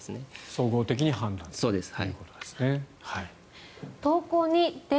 総合的に判断するということですね。